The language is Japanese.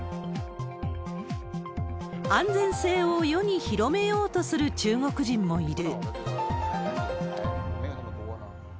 安全性を世に広めようとする中国人もいる。